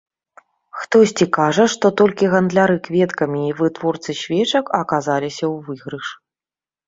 Хтосьці кажа, што толькі гандляры кветкамі і вытворцы свечак аказаліся ў выйгрышы.